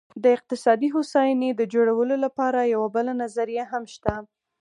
د اقتصادي هوساینې د جوړولو لپاره یوه بله نظریه هم شته.